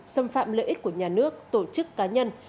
xâm phạm lợi ích của nhà nước tổ chức cá nhân